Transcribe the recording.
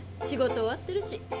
仕事終わってるし。